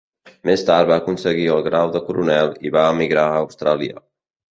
Més tard va aconseguir el grau de coronel i va emigrar a Austràlia.